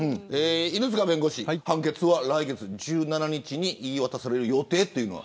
犬塚弁護士、判決は来月１７日に言い渡される予定。